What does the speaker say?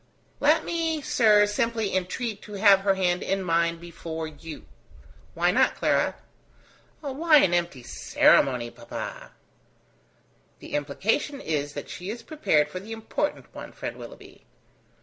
"Let me, sir, simply entreat to have her hand in mine before you." "Why not, Clara?" "Why an empty ceremony, papa?" "The implication is, that she is prepared for the important one, friend Willoughby."